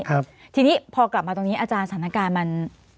ทีนี้พอกลับมาตรงนี้อาจารย์สถานการณ์มัน